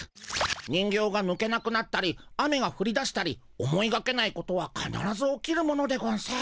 人形がぬけなくなったり雨がふりだしたり思いがけないことはかならず起きるものでゴンス。